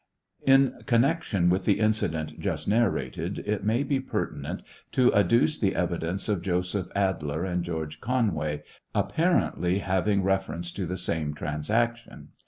In connection with the incident just narrated, it may be pertinent to adduce the evidence of Joseph Adler and George Conway, apparently having reference to the same transaction.